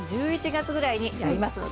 １１月ぐらいにやりますので。